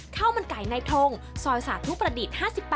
ข้าวมันไก่ในทงซอยสาธุประดิษฐ์๕๘